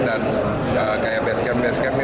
dan kayak base camp base camp ini